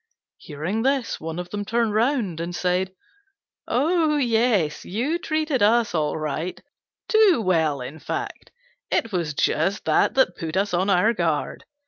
Hearing this, one of them turned round and said, "Oh, yes, you treated us all right too well, in fact; it was just that that put us on our guard.